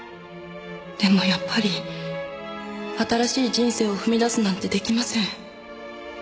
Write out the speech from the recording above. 「でもやっぱり新しい人生を踏み出すなんてできません」